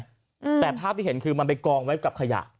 อืมแต่ภาพที่เห็นคือมันไปกองไว้กับขยะ